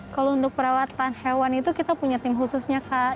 kalau untuk perawatan hewan itu kita punya tim khususnya kak